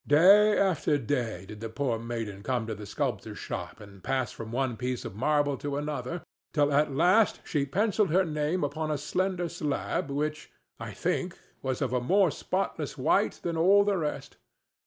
Day after day did the poor maiden come to the sculptor's shop and pass from one piece of marble to another, till at last she pencilled her name upon a slender slab which, I think, was of a more spotless white than all the rest.